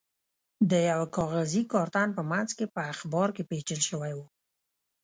د یوه کاغذي کارتن په منځ کې په اخبار کې پېچل شوی و.